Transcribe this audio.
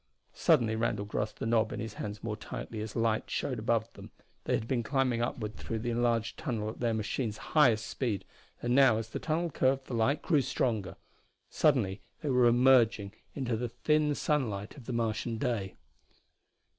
Suddenly Randall grasped the knob in his hands more tightly as light showed above them. They had been climbing upward through the enlarged tunnel at their machine's highest speed, and now as the tunnel curved the light grew stronger. Suddenly they were emerging into the thin sunlight of the Martian day.